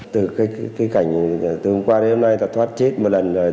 từ cái cảnh từ hôm qua đến hôm nay ta thoát chết một lần rồi